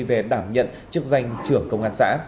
về đảm nhận chức danh trưởng công an xã